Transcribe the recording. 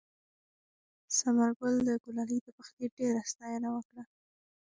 ثمرګل د ګلالۍ د پخلي ډېره ستاینه وکړه.